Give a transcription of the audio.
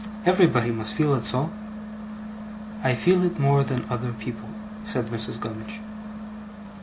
'Everybody must feel it so.' 'I feel it more than other people,' said Mrs. Gummidge.